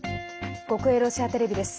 国営ロシアテレビです。